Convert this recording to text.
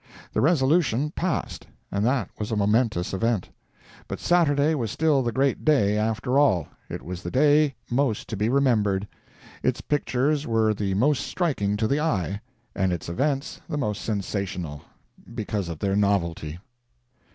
The resolution passed, and that was a momentous event; but Saturday was still the great day, after all. It was the day most to be remembered; its pictures were the most striking to the eye, and its events the most sensational, because of their novelty.